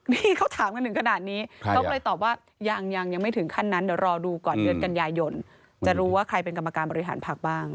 นี่เขาถามกันถึงขนาดนี้เขาก็เลยตอบว่ายังยังไม่ถึงขั้นนั้นเดี๋ยวรอดูก่อนเดือนกันยายนจะรู้ว่าใครเป็นกรรมการบริหารพักบ้าง